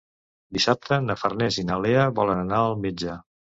Dissabte na Farners i na Lea volen anar al metge.